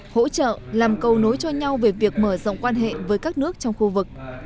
hỗ trợ làm cầu nối cho nhau về việc mở rộng quan hệ với các nước trong khu vực